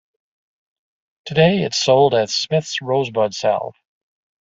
Today it's sold as Smith's Rosebud Salve.